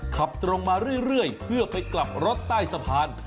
ขับตรงมาเรื่อยเพื่อไปกลับรถใต้สะพาน